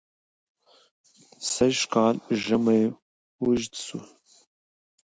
سژ کال ژمى وژد سو